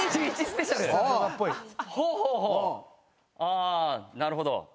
あなるほど。